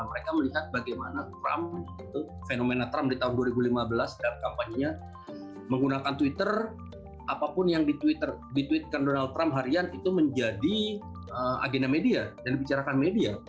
mereka melihat bagaimana trump fenomena trump di tahun dua ribu lima belas dalam kampanye nya menggunakan twitter apapun yang dituitkan donald trump harian itu menjadi agenda media dan dibicarakan media